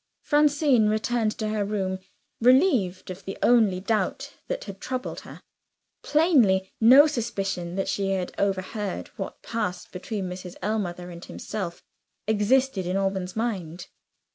Francine returned to her room, relieved of the only doubt that had troubled her. Plainly no suspicion that she had overheard what passed between Mrs. Ellmother and himself existed in Alban's mind.